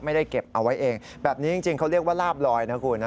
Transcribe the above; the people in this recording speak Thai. ไม่ได้เก็บเอาไว้เองแบบนี้จริงเขาเรียกว่าลาบลอยนะคุณนะ